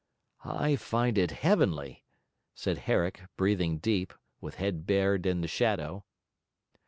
'I find it heavenly,' said Herrick, breathing deep, with head bared in the shadow.